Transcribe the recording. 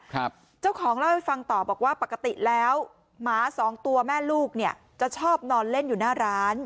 เจ้าของเล่าให้ฟังต่อบอกว่าปกติแล้วหมาสองตัวแม่ลูกเนี่ยจะชอบนอนเล่นอยู่หน้าร้าน